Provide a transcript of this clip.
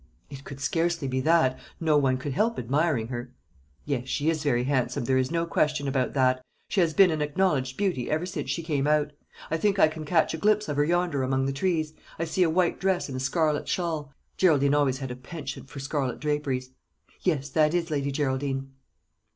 "It could scarcely be that. No one could help admiring her." "Yes, she is very handsome, there is no question about that; she has been an acknowledged beauty ever since she came out. I think I can catch a glimpse of her yonder among the trees; I see a white dress and a scarlet shawl. Geraldine always had a penchant for scarlet draperies." "Yes, that is Lady Geraldine."